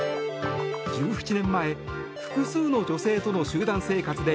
１７年前複数の女性との集団生活で